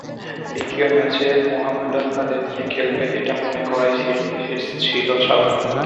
দ্বিতীয় ম্যাচে মোহামেডান তাদের নিয়ে খেলবে, এটা মনে করাই ছিল স্বাভাবিক।